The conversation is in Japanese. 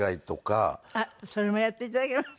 あっそれもやって頂けます？